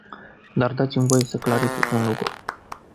Dar dați-mi voie să clarific un lucru.